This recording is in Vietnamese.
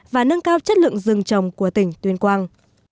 và nâng cao chất lượng rừng trồng của tỉnh tuyên quang